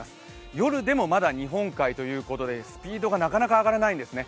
夜でもまだ日本海ということでスピードがなかなか上がらないんですね。